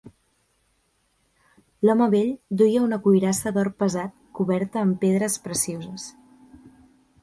L'home vell duia una cuirassa d'or pesat, coberta amb pedres precioses.